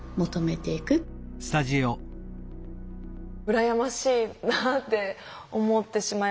羨ましいなって思ってしまいました。